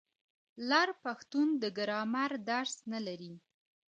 لر پښتون د ګرامر درس نه لري.